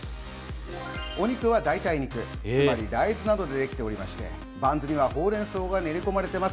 お肉は代替肉、大豆などでできておりまして、バンズなどはほうれん草が練り込まれています。